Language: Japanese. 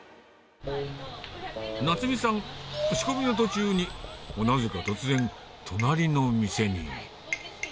奈津実さん、仕込みの途中になぜか突然、隣の店に。